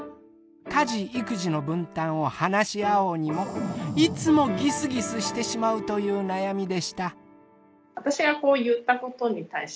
家事育児の分担を話し合おうにもいつもギスギスしてしまうという悩みでした。